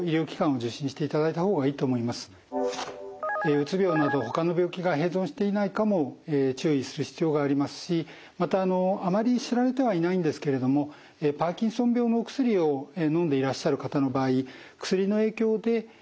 うつ病などほかの病気が併存していないかも注意する必要がありますしまたあまり知られてはいないんですけれどもパーキンソン病のお薬をのんでいらっしゃる方の場合どんな治療が行われるんでしょうか？